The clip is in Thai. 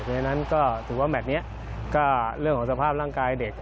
เพราะฉะนั้นก็ถือว่าแมทนี้ก็เรื่องของสภาพร่างกายเด็ก